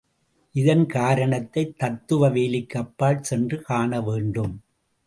இதன் காரணத்தை தத்துவ வேலிக்கு அப்பால் சென்று காணவேண்டும்.